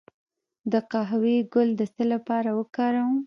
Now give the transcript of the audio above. د قهوې ګل د څه لپاره وکاروم؟